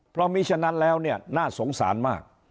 เพราะมีฉะนั้นแล้วเนี่ยน่าสงสารมาก